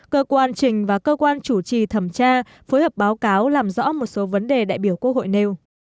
cơ quan trình và cơ quan chủ trì thẩm tra phối hợp báo cáo làm rõ một số vấn đề đại biểu quốc hội nêu